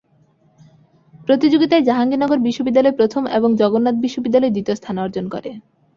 প্রতিযোগিতায় জাহাঙ্গীরনগর বিশ্ববিদ্যালয় প্রথম এবং জগন্নাথ বিশ্ববিদ্যালয় দ্বিতীয় স্থান অর্জন করে।